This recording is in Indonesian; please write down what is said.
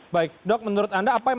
baik dok menurut anda apa yang